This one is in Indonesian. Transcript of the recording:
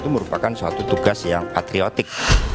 itu merupakan suatu tugas yang atriotik